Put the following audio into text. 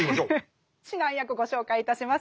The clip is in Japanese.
指南役ご紹介いたします。